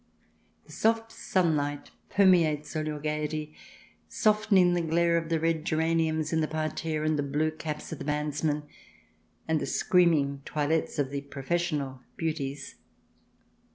The soft sunlight permeates all your gaiety, soften ing the glare of the red geraniums in the parterre and the blue caps of the bandsmen, and the scream ing toilettes of the professional beauties.